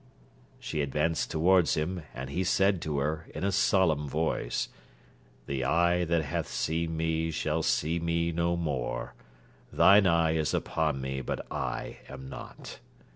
She advanced towards him, and he said to her, in a solemn voice, 'The eye that hath seen me shall see me no more. Thine eye is upon me, but I am not.'